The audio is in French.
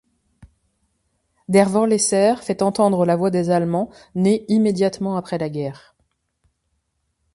Der Vorleser fait entendre la voix des Allemands nés immédiatement après la guerre.